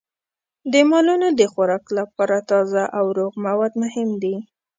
د مالونو د خوراک لپاره تازه او روغ مواد مهم دي.